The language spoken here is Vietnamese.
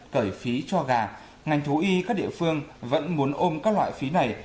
cởi phí cho gà ngành thú y các địa phương vẫn muốn ôm các loại phí này